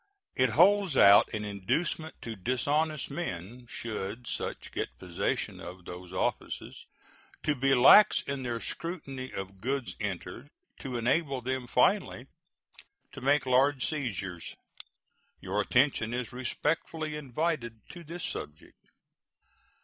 It holds out an inducement to dishonest men, should such get possession of those offices, to be lax in their scrutiny of goods entered, to enable them finally to make large seizures. Your attention is respectfully invited to this subject.